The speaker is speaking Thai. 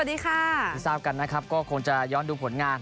ทีสาปกันคงจะย้อนดูผลงาน